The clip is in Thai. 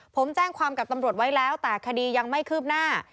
ผมแจ้งความกับตำรวจไว้แล้วแต่คดียังไม่คืบหน้า